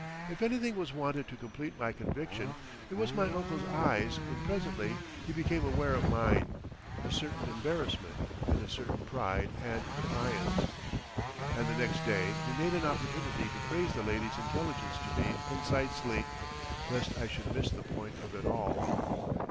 If anything was wanted to complete my conviction it was my uncles's eyes when presently he became aware of mine, a certain embarrassment and a certain pride and defiance. And the next day he made an opportunity to praise the lady's intelligence to me concisely, lest I should miss the point of it all.